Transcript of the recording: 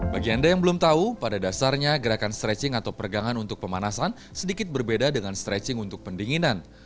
bagi anda yang belum tahu pada dasarnya gerakan stretching atau pergangan untuk pemanasan sedikit berbeda dengan stretching untuk pendinginan